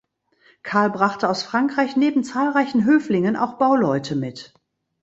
Karl brachte aus Frankreich neben zahlreichen Höflingen auch Bauleute mit.